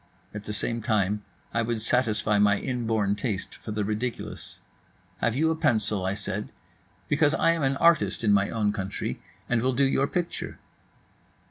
At the same time I would satisfy my inborn taste for the ridiculous. "Have you a pencil?" I said. "Because I am an artist in my own country, and will do your picture."